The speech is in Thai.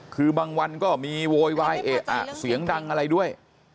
คือบางวันก็มีโวยวายเอ๊ะอ่ะเสียงดังอะไรด้วย